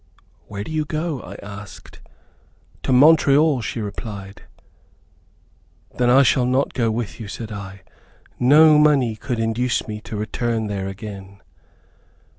"Where do you go?" I asked. "To Montreal," she replied. "Then I shall not go with you," said I. "No money could induce me to return there again."